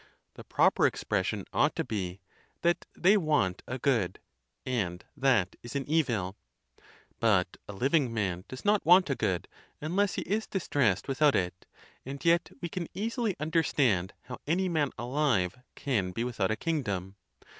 The proper expression ought to be, "that they want a good," and that is an evil. But a living man does not want a good, unless he is dis tressed without it; and yet, we. can easily understand how any man alive can be without a kingdom.